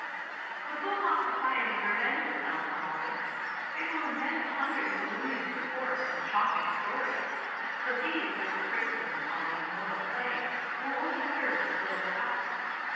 "But will not society revenge itself on all this?" "It will invent a hundred calumnious reports and shocking stories; but these, like the criticisms on an immoral play, will only serve to fill the house.